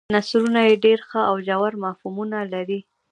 نثرونه یې ډېر ښه او ژور مفهومونه لري.